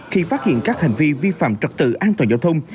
khi phát hiện các hành vi vi phạm trật tự an toàn giao thông